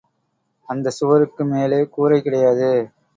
அந்தச் சுவருக்கு மேலே கூரை கிடையாது.